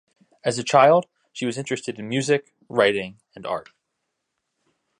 As a child, she was interested in music, writing and art.